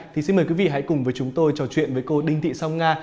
thì xin mời quý vị hãy cùng với chúng tôi trò chuyện với cô đinh thị song nga